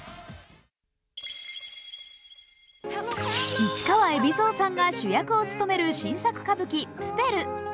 市川海老蔵さんが主役を務める新作歌舞伎「プペル」。